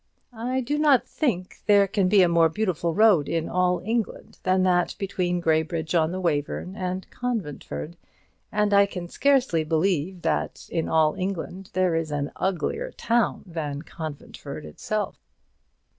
I do not think there can be a more beautiful road in all England than that between Graybridge on the Wayverne and Conventford, and I can scarcely believe that in all England there is an uglier town than Conventford itself.